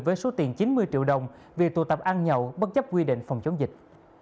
với số tiền chín mươi triệu đồng vì tụ tập ăn nhậu bất chấp quy định phòng chống dịch